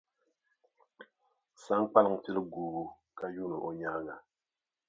Saŋkpaliŋ pili guubu ka yuuni o nyaaŋa.